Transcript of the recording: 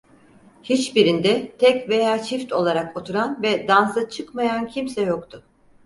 Hiçbirinde tek veya çift olarak oturan ve dansa çıkmayan kimse yoktu.